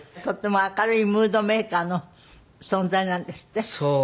とっても明るいムードメーカーの存在なんですって？